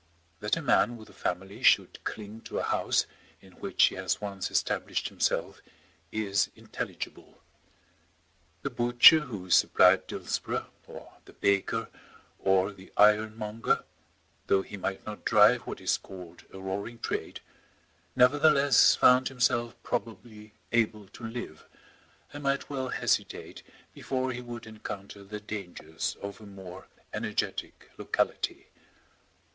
That a man with a family should cling to a house in which he has once established himself is intelligible. The butcher who supplied Dillsborough, or the baker, or the ironmonger, though he might not drive what is called a roaring trade, nevertheless found himself probably able to live, and might well hesitate before he would encounter the dangers of a more energetic locality.